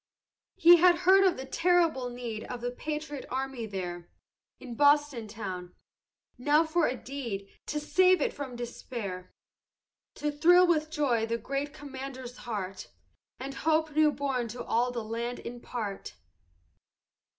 "He had heard of the terrible need Of the patriot army there In Boston town. Now for a deed To save it from despair! To thrill with joy the great commander's heart, And hope new born to all the land impart!